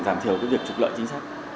giảm thiểu cái việc trục lợi chính sách